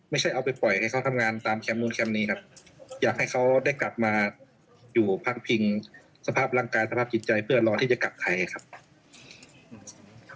ไม่ใช่เอาไปปล่อยให้เขาทำงานตามแชมป์นู้นแชมป์นี้ครับอยากให้เขาได้กลับมาอยู่พักพิงสภาพร่างกายสภาพจิตใจเพื่อรอที่จะกลับไทยครับ